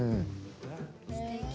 すてき。